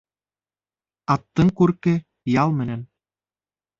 Аттың күрке ял менән